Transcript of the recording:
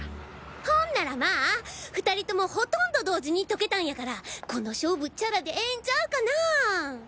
ほんならまぁ２人ともほとんど同時に解けたんやからこの勝負チャラでええんちゃうかなぁ。